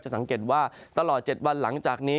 สังเกตว่าตลอด๗วันหลังจากนี้